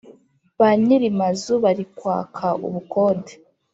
Banyirimazu barikwaka ubukode